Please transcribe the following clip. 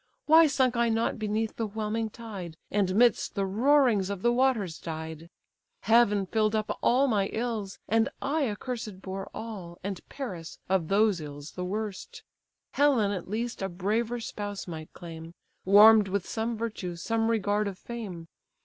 Why sunk I not beneath the whelming tide, And midst the roarings of the waters died? Heaven fill'd up all my ills, and I accursed Bore all, and Paris of those ills the worst. Helen at least a braver spouse might claim, Warm'd with some virtue, some regard of fame!